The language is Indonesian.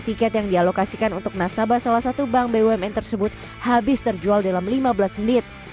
tiket yang dialokasikan untuk nasabah salah satu bank bumn tersebut habis terjual dalam lima belas menit